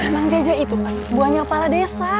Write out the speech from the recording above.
mang jajah itu buahnya kepala desa